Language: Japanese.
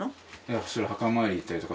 墓参り行ったりとか。